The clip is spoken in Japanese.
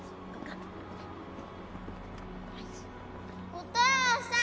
お父さん